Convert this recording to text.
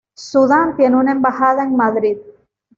Sudán tiene una embajada en Madrid.